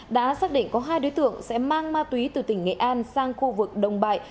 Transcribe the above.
đã xác định có hai đối tượng sẽ mang ma túy từ tỉnh nghệ an sang khu vực đồng bại